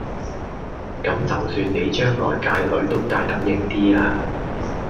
咁就算你將來界女都界得應啲呀